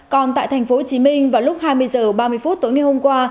còn tại tp hcm vào lúc hai mươi h ba mươi phút tối ngày hôm qua